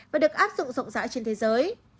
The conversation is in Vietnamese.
và được áp dụng rộng rãi trên thế giới